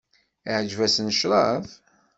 Iεǧeb-asen ccrab?